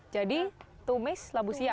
jadi tumis labu siam